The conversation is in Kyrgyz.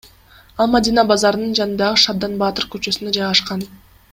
Ал Мадина базарынын жанындагы Шабдан баатыр көчөсүндө жайгашкан.